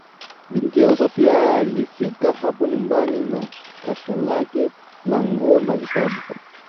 Binti yao Sofia alifika hapo nyumbani na kasha lake la nguo na vitabu